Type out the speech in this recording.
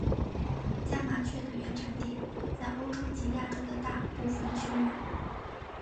家麻雀的原产地在欧洲及亚洲的大部份区域。